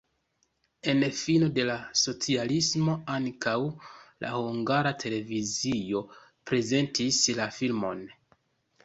En fino de la socialismo ankaŭ la Hungara Televizio prezentis la filmon.